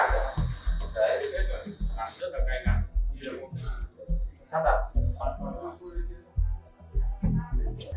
năm sớm hàng